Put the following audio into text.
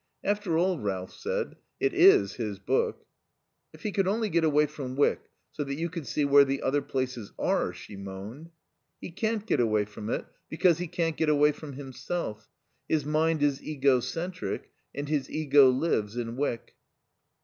"After all," Ralph said, "it is his book." "If he could only get away from Wyck, so that you could see where the other places are," she moaned. "He can't get away from it because he can't get away from himself. His mind is egocentric and his ego lives in Wyck."